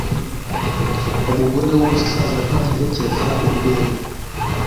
umugore w'umusaza ntaherekeza urwenya